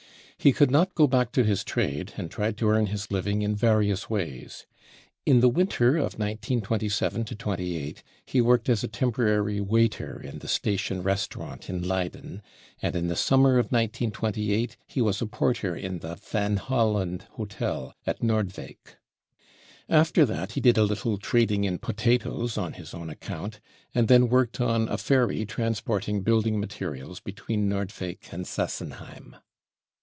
Pie could not go back to Ins trade, and tried to earn his living in various ways. In the winter of 1927 28 he worked as a temporary waiter in the Station restaurant in Leyden, and in the dimmer of 1928 he was a porter in the " Van Plolland " hotel at Nordweyk. After that, he did a little trading in potatoes on his own account, and then worked on a ferry transporting building materials between Norci weyk and Sassenheim.